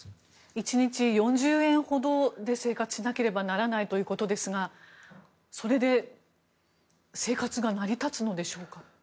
１日４０円ほどで生活しなければならないということですがそれで生活が成り立つのでしょうか。